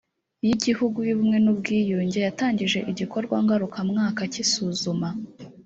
y igihugu y ubumwe n ubwiyunge yatangije igikorwa ngarukamwaka cy isuzuma